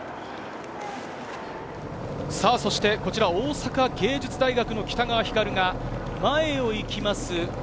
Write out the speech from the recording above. こちら、大阪芸術大学の北川星瑠が前を行きます